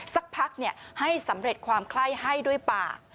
สักพักให้สำเร็จความไข้ให้ด้วยปาก